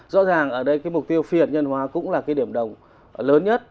rõ ràng ở đây cái mục tiêu phi hạt nhân hóa cũng là cái điểm đồng lớn nhất